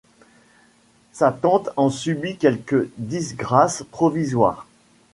Sa tante en subit quelque disgrâce provisoire.